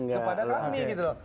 kepada kami gitu loh